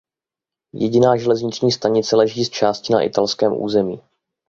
Jediná železniční stanice leží z části na italském území.